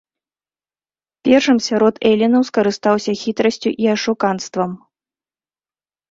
Першым сярод элінаў скарыстаўся хітрасцю і ашуканствам.